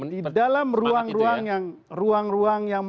di dalam ruang ruang yang